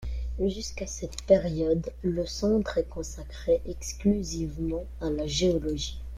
Jusqu'à cette période, le centre est consacré exclusivement à la géologie.